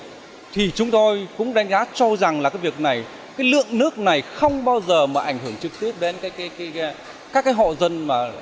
giờ mà ảnh hưởng trực tiếp đến các hộ dân mà ảnh hưởng làm sao chọn cái cuộc sống của người dân